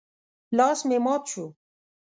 لاس مې مات شو.